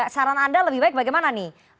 saran anda lebih baik bagaimana nih